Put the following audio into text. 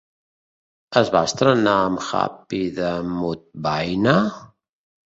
Es va estrenar amb Happy de Mudvayne?